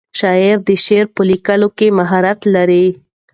شاعر د شعر په لیکلو کې مهارت لري.